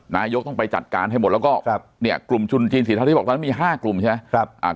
ไนโยคต้องไปจัดการให้หมดแล้วก็กลุ่มชูนจีน๔ที่บอกนั้นมี๕กลุ่มใช่ไหม